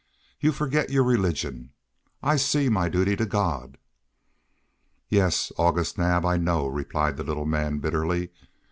You forget your religion. I see my duty to God." "Yes, August Naab, I know," replied the little man, bitterly.